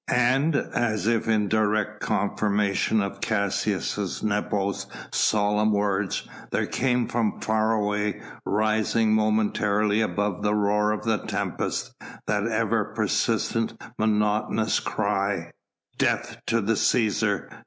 And as if in direct confirmation of Caius Nepos' solemn words, there came from far away, rising momentarily above the roar of the tempest, that ever persistent monotonous cry: "Death to the Cæsar!